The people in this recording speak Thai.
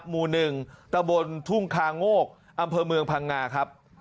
หมู่๑ตะบนทุ่งคาโงกอำเภอเมืองพังงาครับ